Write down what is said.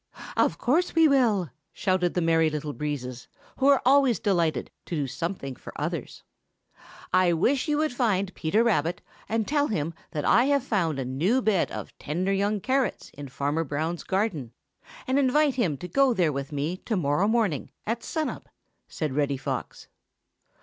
"Of course we will," shouted the Merry Little Breezes, who are always delighted to do something for others. "I wish you would find Peter Rabbit and tell him that I have found a new bed of tender young carrots in Farmer Brown's garden, and invite him to go there with me to morrow morning at sun up," said Reddy Fox.